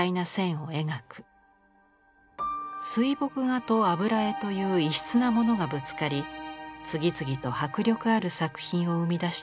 水墨画と油絵という異質なものがぶつかり次々と迫力ある作品を生み出してきました。